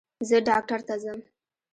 زه ډاکټر ته ځم